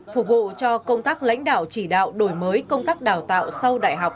phục vụ cho công tác lãnh đạo chỉ đạo đổi mới công tác đào tạo sau đại học